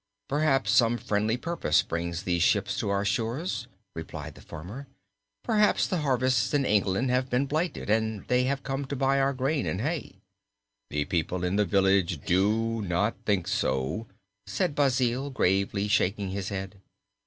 "Perhaps some friendly purpose brings these ships to our shores," replied the farmer. "Perhaps the harvests in England have been blighted and they have come to buy our grain and hay." "The people in the village do not think so," said Basil, gravely shaking his head.